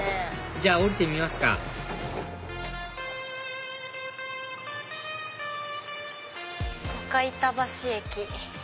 じゃあ降りてみますか中板橋駅。